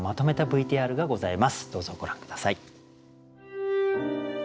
どうぞご覧下さい。